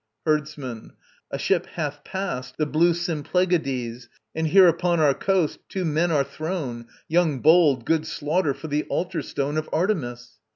HERDSMAN. A ship hath passed the blue Symplegades, And here upon our coast two men are thrown, Young, bold, good slaughter for the altar stone Of Artemis!